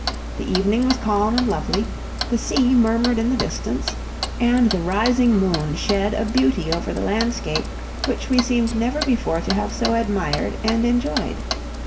The evening was calm and lovely; the sea murmured in the distance, and the rising moon shed a beauty over the landscape which we seemed never before to have so admired and enjoyed.